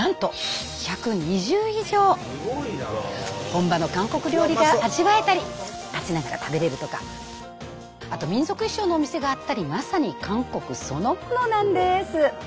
本場の韓国料理が味わえたり立ちながら食べれるとかあと民族衣装のお店があったりまさに韓国そのものなんです。